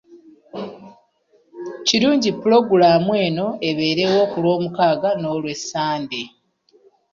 Kirungi pulogulaamu eno ebeerewo ku Lwomukaaga n’Olwessande.